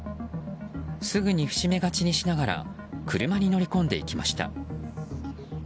すぐに伏し目がちにしながら車に乗り込んでいきました。